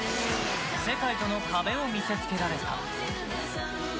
世界との壁を見せつけられた。